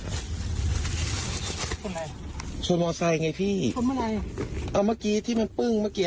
ชนไหนชนวอลไซด์ไงพี่ชนเมื่อไหนเอ้าเมื่อกี้ที่มันปึ้งเมื่อกี้